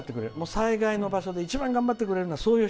災害の場所でも一番頑張ってくれる。